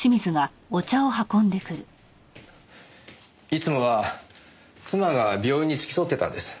いつもは妻が病院に付き添ってたんです。